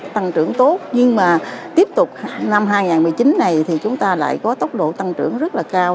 tăng trưởng tốt nhưng mà tiếp tục năm hai nghìn một mươi chín này thì chúng ta lại có tốc độ tăng trưởng rất là cao